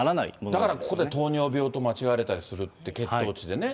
だからここで糖尿病と間違われたりするって、血糖値でね。